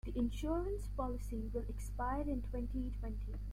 The insurance policy will expire in twenty-twenty.